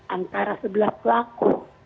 antara sebelah pelaku